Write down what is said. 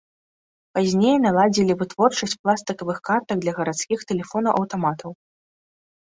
Пазней наладзілі вытворчасць пластыкавых картак для гарадскіх тэлефонаў-аўтаматаў.